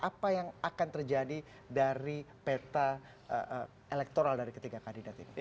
apa yang akan terjadi dari peta elektoral dari ketiga kandidat ini